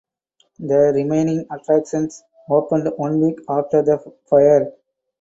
The remaining attractions opened one week after the fire.